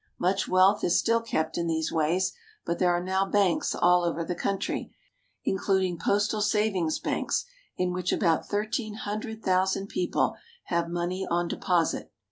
Much wealth is still kept in these ways, but there are now banks all over the country, including postal savings banks in which about thirteen hundred thou sand people have money on deposit.